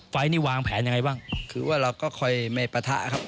ไฟล์นี้วางแผนยังไงบ้างคือว่าเราก็คอยไม่ปะทะครับ